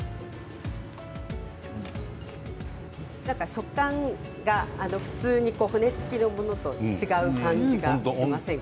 食感が骨付きのものと違う感じがしませんか？